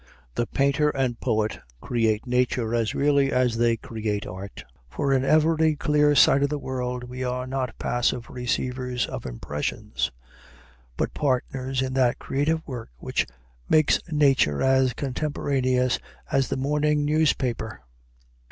The painter and poet create nature as really as they create art, for in every clear sight of the world we are not passive receivers of impressions, but partners in that creative work which makes nature as contemporaneous as the morning newspaper.